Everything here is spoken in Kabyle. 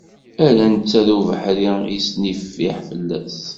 Ala netta d ubeḥri yesnifiḥ fell-as.